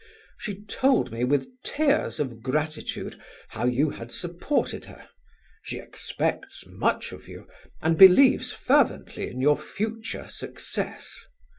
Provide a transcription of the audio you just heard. She told me with tears of gratitude how you had supported her; she expects much of you, and believes fervently in your future success..."